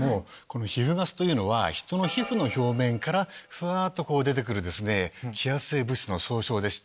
皮膚ガスというのは人の皮膚の表面からふわっと出て来る揮発性物質の総称でして。